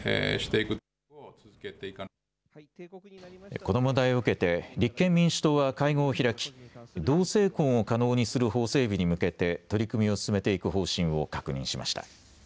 この問題を受けて立憲民主党は会合を開き、同性婚を可能にする法整備に向けて取り組みを進めていく方針を確認しました。